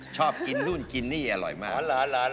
ชอบกินนู่นกินนี่อร่อยมาก